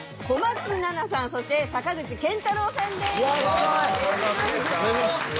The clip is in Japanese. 小松菜奈さんそして坂口健太郎さんです。